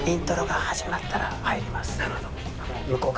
なるほど。